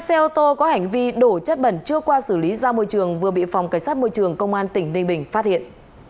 xe ô tô có hành vi đổ chất bẩn chưa qua xử lý ra môi trường vừa bị phòng cảnh sát môi trường công an tỉnh ninh bình phát hiện